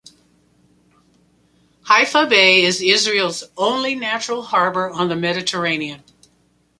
Haifa Bay is Israel's only natural harbor on the Mediterranean.